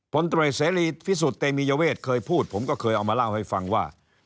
ผลตรวจเสรีพิสุทธิ์เตมียเวทเคยพูดผมก็เคยเอามาเล่าให้ฟังว่า